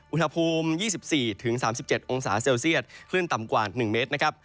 อุณหภูมิ๒๔๓๗องศาเซลเซียตคลื่นต่ำกว่า๑เมตรนะครับ